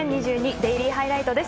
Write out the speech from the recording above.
デイリーハイライト」です。